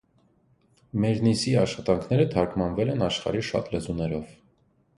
Մերնիսիի աշխատանքները թարգմանվել են աշխարհի շատ լեզուներով։